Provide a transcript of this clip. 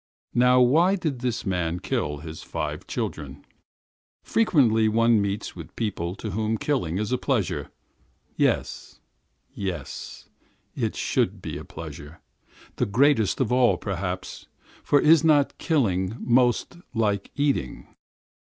Now, why did this man kill his five children? Frequently one meets with people to whom the destruction of life is a pleasure. Yes, yes, it should be a pleasure, the greatest of all, perhaps, for is not killing the next thing to creating?